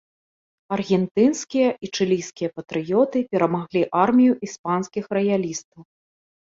Аргентынскія і чылійскія патрыёты перамаглі армію іспанскіх раялістаў.